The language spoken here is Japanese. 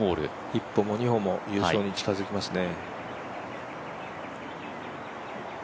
一歩も二歩も優勝に近づきますね。